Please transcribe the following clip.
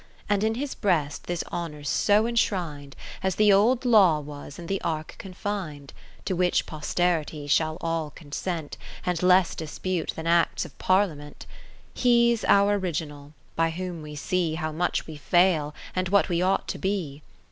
And in his breast this Honour 's so enshrin'd. As the old Law was in the Ark confin'd : To which posterity shall all consent. And less dispute than Acts of Parliament. 60 He 's our original, by whom we see How much we fail, and what we ought to be.